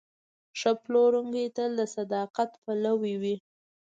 ښه پلورونکی تل د صداقت پلوی وي.